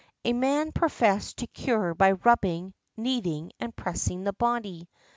A man professed to cure by rubbing, kneading and pressing the body.